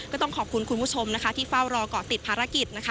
ก็ต้องขอบคุณคุณผู้ชมที่เฝ้ารอก่อติดภารกิจ